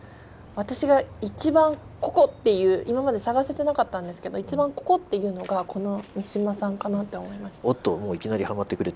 私が一番ここ！っていう今まで探せてなかったんですけど「一番ここ！」っていうのがこの三島さんかなって思いました。